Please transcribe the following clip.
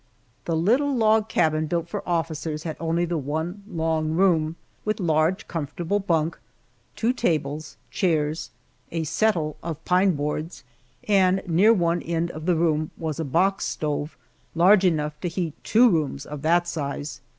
The little log cabin built for officers had only the one long room, with large, comfortable bunk, two tables, chairs, a "settle" of pine boards, and near one end of the room was a box stove large enough to heat two rooms of that size.